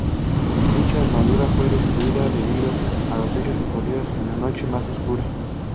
Dicha armadura fue destruida debido a los hechos ocurridos en la Noche más Oscura